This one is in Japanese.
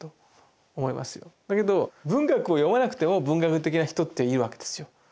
だけど文学を読まなくても文学的な人っているわけですよ。